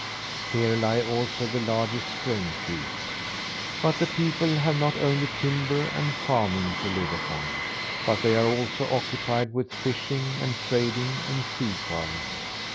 Here lie also the largest grain fields; but the people have not only timber and farming to live upon, but they are also occupied with fishing and trading and seafaring.